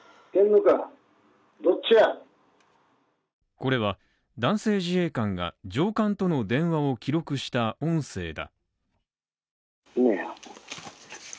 これは男性自衛官が上官との電話を記録した音声だ。